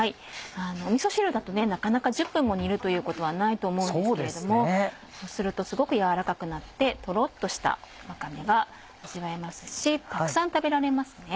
みそ汁だとなかなか１０分も煮るということはないと思うんですけれどもこうするとすごく軟らかくなってトロっとしたわかめが味わえますしたくさん食べられます。